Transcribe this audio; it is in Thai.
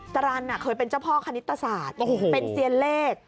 ตรันเคยเป็นเจ้าพ่อคณิตศาสตร์เป็นเซียนเลข